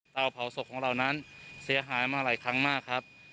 เผาศพของเรานั้นเสียหายมาหลายครั้งมากครับ